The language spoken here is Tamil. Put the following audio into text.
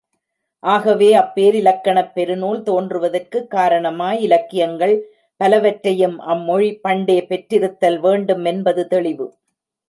ஆகவே, அப்பேரிலக்கணப் பெருநூல் தோன்றுவதற்குக் காரணமாய் இலக்கியங்கள் பலவற்றையும் அம்மொழி பண்டே பெற்றிருத்தல் வேண்டும் என்பது தெளிவு.